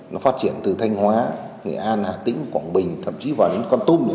nó phát triển từ thanh hóa nghệ an hà tĩnh quảng bình thậm chí vào đến con tôm nữa